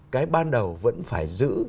cái ban đầu vẫn phải giữ